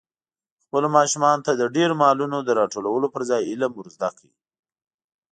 خپلو ماشومانو ته د ډېرو مالونو د راټولولو پر ځای علم ور زده کړئ.